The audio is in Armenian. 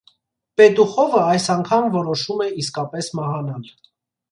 Պետուխովը այս անգամա որոշում է իսկապես մահանալ։